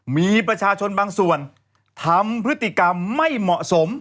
มีประชาชนบางส่วนทำพฤติกรรมไม่เหมาะสม